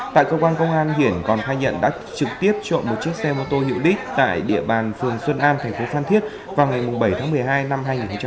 tại công an hiển còn thay nhận đã trực tiếp trộm một chiếc xe mô tô hiệu đích tại địa bàn phường xuân an tp phan thiết vào ngày bảy tháng một mươi hai năm hai nghìn một mươi sáu